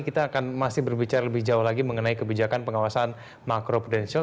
kita akan masih berbicara lebih jauh lagi mengenai kebijakan pengawasan makro prudensial